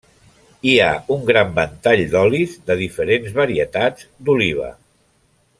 Hi ha un gran ventall d’olis de diferents varietats d’oliva.